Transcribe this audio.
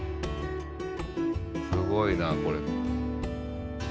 すごいなこれ。